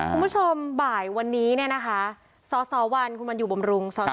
คุณผู้ชมบ่ายวันนี้เนี่ยนะคะสสวันคุณวันอยู่บำรุงสส